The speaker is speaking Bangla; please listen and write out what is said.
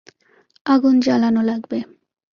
আগুন জ্বালানো লাগবে।